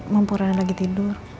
mampu rana lagi tidur